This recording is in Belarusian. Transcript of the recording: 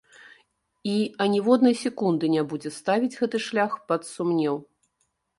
І аніводнай секунды не будзе ставіць гэты шлях пад сумнеў.